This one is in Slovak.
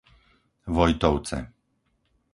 Vojtovce